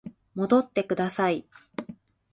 戻ってください